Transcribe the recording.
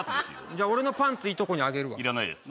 じゃあ俺のパンツいとこにあげるわ要らないです